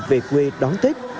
về quê đón tết